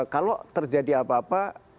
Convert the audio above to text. kalau terjadi apa apa